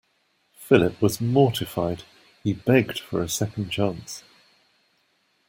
Philip was mortified. He begged for a second chance.